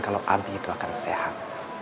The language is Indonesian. kalau abi itu akan sehat